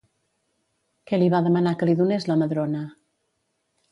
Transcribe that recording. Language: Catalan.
Què li va demanar que li donés la Madrona?